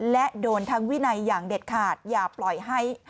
และโดนทั้งวินัยอย่างเด็ดขาดอย่าปล่อยให้